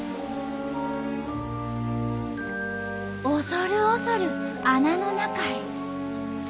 恐る恐る穴の中へ。